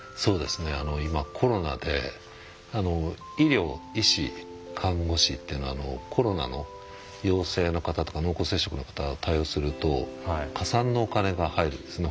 今、コロナで医療、医師、看護師っていうのはコロナの陽性の方とか濃厚接触の方を対応すると加算のお金が入るんですね